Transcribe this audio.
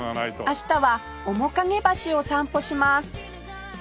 明日は面影橋を散歩します